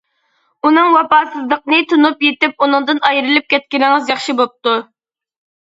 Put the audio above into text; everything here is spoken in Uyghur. ئۇنىڭ ۋاپاسىزلىقىنى تونۇپ يېتىپ ئۇنىڭدىن ئايرىلىپ كەتكىنىڭىز ياخشى بوپتۇ.